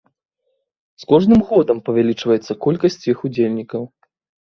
З кожным годам павялічваецца колькасць іх удзельнікаў.